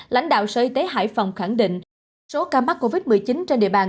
lãnh đạo sở y tế hải phòng khẳng định số ca mắc covid một mươi chín trên địa bàn